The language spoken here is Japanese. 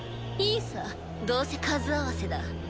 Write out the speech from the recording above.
いいさどうせ数合わせだ。